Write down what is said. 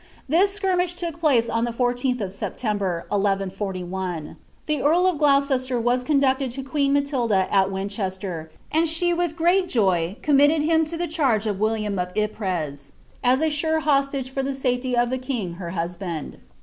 This skirmish took place on the 14th of September, 1141. The earl of Gloucester was conducted to queen Matilda at Win chester, and she with great joy committed him to the charge of William of Tpres, as a sure hostage for the safety of the king her husband.